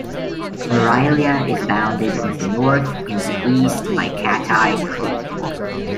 Maraylya is bounded in the north and the east by Cattai Creek.